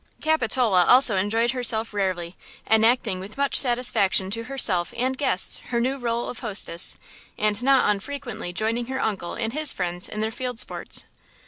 Capitola also enjoyed herself rarely, enacting with much satisfaction to herself and guests her new rôle of hostess, and not unfrequently joining her uncle and his friends in their field sports.